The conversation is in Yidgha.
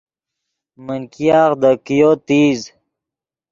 من ګیاغ دے کئیو تیز